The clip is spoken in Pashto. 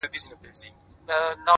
o هغه مړ سو اوس يې ښخ كړلو،